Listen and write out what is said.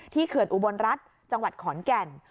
เขื่อนอุบลรัฐจังหวัดขอนแก่น